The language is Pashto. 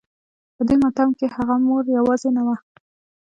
په دې ماتم کې هغه مور يوازې نه وه.